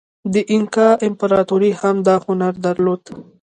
د اینکا امپراتورۍ هم دا هنر درلود.